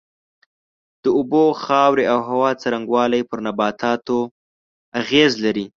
د اوبو، خاورې او هوا څرنگوالی پر نباتاتو اغېز لري.